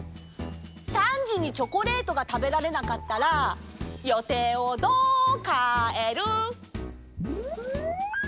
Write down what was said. ３じにチョコレートがたべられなかったら予定をどうかえる？